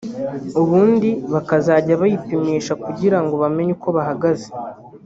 ubundi bakazajya bipimisha kugira ngo bamenye uko bahagaze